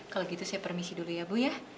kalau gitu saya permisi dulu ya bu ya